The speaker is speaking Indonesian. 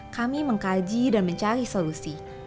kami mengkaji dan mencari solusi